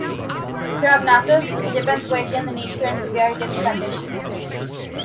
Prognosis depends greatly on the nature and severity of the condition.